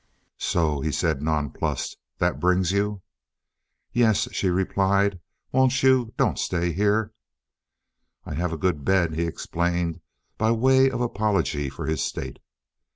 "So," he said, nonplussed, "that brings you?" "Yes," she replied; "Won't you? Don't stay here." "I have a good bed," he explained by way of apology for his state.